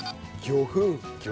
魚粉。